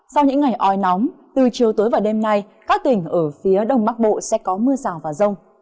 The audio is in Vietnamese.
sau những ngày oi nóng từ chiều tối và đêm nay các tỉnh ở phía đông bắc bộ sẽ có mưa rào và rông